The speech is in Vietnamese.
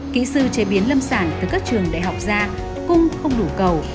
kỹ sư chế biến lâm sản từ các trường đại học ra cung không đủ cầu